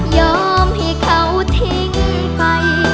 ยอมให้เขาทิ้งไป